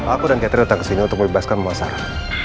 aku dan catering datang ke sini untuk membebaskan bahwa sarah